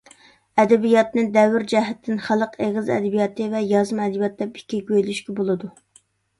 ئەدەبىياتىنى دەۋر جەھەتتىن خەلق ئېغىز ئەدەبىياتى ۋە يازما ئەدەبىيات دەپ ئىككىگە بۆلۈشكە بولىدۇ.